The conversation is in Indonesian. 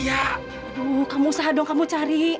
ya kamu usaha dong kamu cari